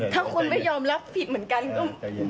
ถ้าคนไม่ยอมรับผิดเหมือนกันก็